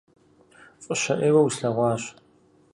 ФӀыщэ Ӏейуэ услъэгъуащ…